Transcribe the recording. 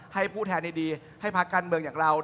ให้ผู้แทนดีให้พักการเมืองอย่างเรา